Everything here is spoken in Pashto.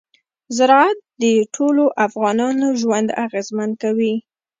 زراعت د ټولو افغانانو ژوند اغېزمن کوي.